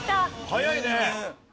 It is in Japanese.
早いね！